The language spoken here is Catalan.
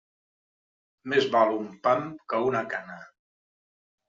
Més val un pam que una cana.